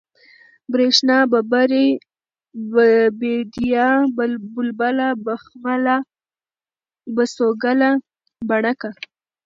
برېښنا ، ببرۍ ، بېديا ، بلبله ، بخمله ، بسوگله ، بڼکه